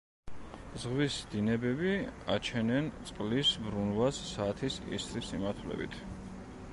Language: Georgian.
ზღვის დინებები აჩენენ წყლის ბრუნვას საათის ისრის მიმართულებით.